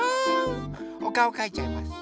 おかおかいちゃいます。